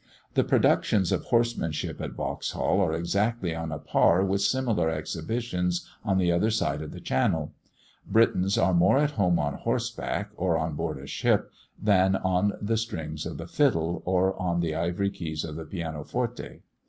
The productions of horsemanship at Vauxhall are exactly on a par with similar exhibitions on the other side of the Channel. Britons are more at home on horseback, or on board a ship, than on the strings of the fiddle, or on the ivory keys of the pianoforte.